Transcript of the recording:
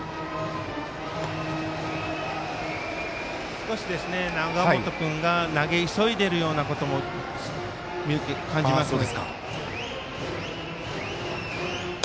少し永本君が投げ急いでいるようなことも感じますね。